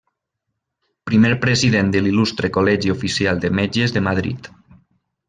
Primer president de l'Il·lustre Col·legi Oficial de Metges de Madrid.